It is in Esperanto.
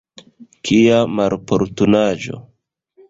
Kia maloportunaĵo!